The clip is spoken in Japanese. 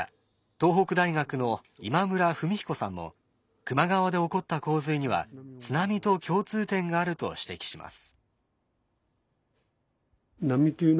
東北大学の今村文彦さんも球磨川で起こった洪水には津波と共通点があると指摘します。